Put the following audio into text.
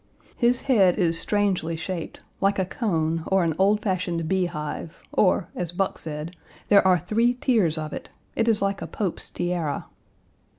His head is strangely shaped, like a cone or an old fashioned beehive; or, as Buck said, there are three tiers of it; it is like a pope's tiara.